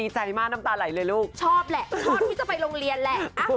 ชอบแหละชอบวิทยาลงโรงเรียนแหละ